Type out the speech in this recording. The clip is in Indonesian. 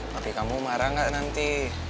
tapi kamu marah nggak nanti